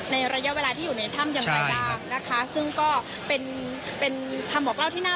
ระยะเวลาที่อยู่ในถ้ำอย่างไรบ้างนะคะซึ่งก็เป็นเป็นคำบอกเล่าที่น่า